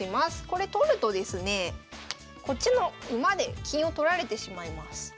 これ取るとですねこっちの馬で金を取られてしまいます。